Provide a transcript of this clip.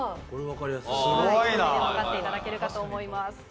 これで分かっていただけるかと思います。